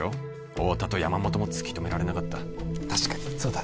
太田と山本も突き止められなかった確かにそうだね